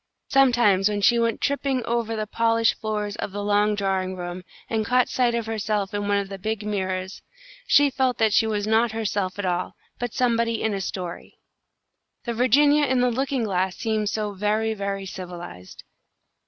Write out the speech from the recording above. Sometimes when she went tipping over the polished floors of the long drawing room, and caught sight of herself in one of the big mirrors, she felt that she was not herself at all, but somebody in a story. The Virginia in the looking glass seemed so very, very civilised.